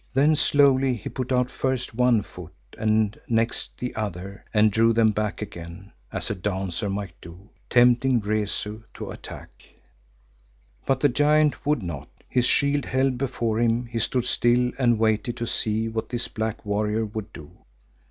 Then slowly he put out first one foot and next the other and drew them back again, as a dancer might do, tempting Rezu to attack. But the giant would not, his shield held before him, he stood still and waited to see what this black warrior would do.